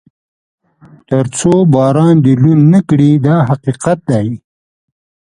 تر څو باران دې لوند نه کړي دا حقیقت دی.